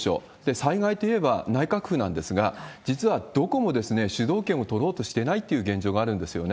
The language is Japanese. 災害といえば内閣府なんですが、実はどこも主導権を取ろうとしてないっていう現状があるんですよね。